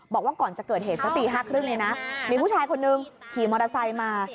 บอกว่าก่อนจะเกิดเหตุสักตี๕๓๐เนี่ยนะมีผู้ชายคนนึงขี่มอเตอร์ไซค์มา